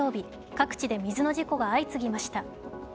各地で水の事故が相次ぎました。